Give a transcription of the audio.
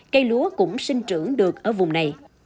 cây lúa cũng sinh trưởng được ở vùng này